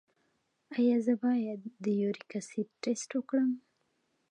ایا زه باید د یوریک اسید ټسټ وکړم؟